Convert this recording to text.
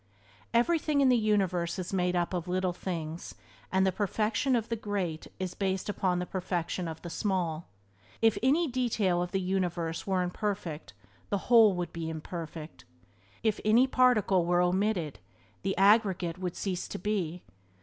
Everything in the universe is made up of little things, and the perfection of the great is based upon the perfection of the small. If any detail of the universe were imperfect the Whole would be imperfect. If any particle were omitted the aggregate would cease to be.